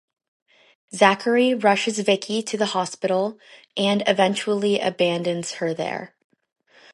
Zachary rushes Vicky to the hospital, and eventually abandons her there.